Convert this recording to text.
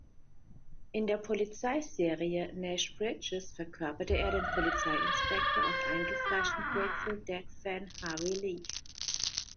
In der Polizei-Serie "Nash Bridges" verkörperte er den Polizei-Inspektor und eingefleischten Grateful-Dead-Fan "Harvey Leek".